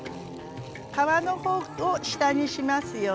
皮の方を下にしますよ。